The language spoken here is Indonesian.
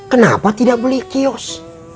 kenapa tidak beli kios